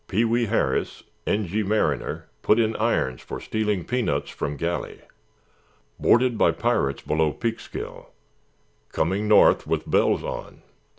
Pee wee Harris, N. G. Mariner, put in irons for stealing peanuts from galley. Boarded by pirates below Peekskill. Coming north with bells on.